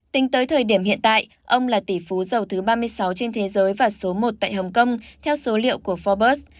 tính tới thời điểm hiện tại ông là tỷ phú giàu thứ ba mươi sáu trên thế giới và số một tại hồng kông theo số liệu của forbes